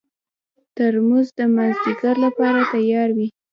ترموز د مازدیګر لپاره تیار وي.